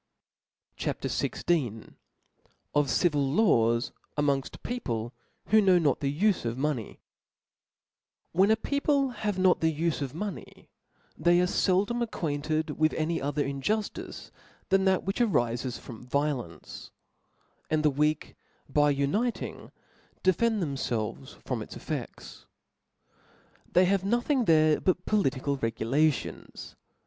C HA P. XVI. , Of civil Laws among ft People who know not the Ufe of Money ^ \\T H E N a people have not the ufe of money, ^^ they are feldom acquainted with any other injuftice than that which arifes from violence •, and the weak, by uniting, defend themfelves from its cfFefts. They have nothing there but political regulations.